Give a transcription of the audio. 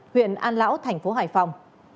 huyện an lão thành phố hải phòng